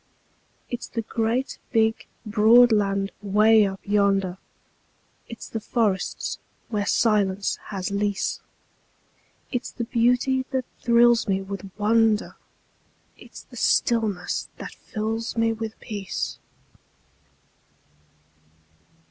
It's the great, big, broad land 'way up yonder, It's the forests where silence has lease; It's the beauty that thrills me with wonder, It's the stillness that fills me with peace.